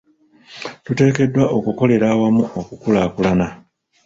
Tuteekeddwa okukolera awamu okukulaakulana.